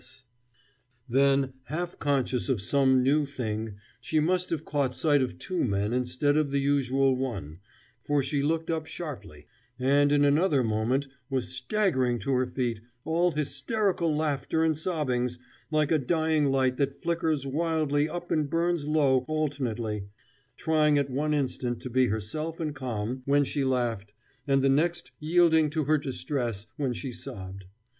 [Illustration: She did not look up when they entered Page 258] Then, half conscious of some new thing, she must have caught sight of two men instead of the usual one, for she looked up sharply; and in another moment was staggering to her feet, all hysterical laughter and sobbings, like a dying light that flickers wildly up and burns low alternately, trying at one instant to be herself and calm, when she laughed, and the next yielding to her distress, when she sobbed.